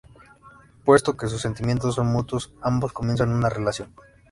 Puesto que sus sentimientos son mutuos, ambos comienzan una relación.